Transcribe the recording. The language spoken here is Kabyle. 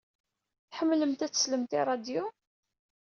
Tḥemmlemt ad teslemt i ṛṛadyu?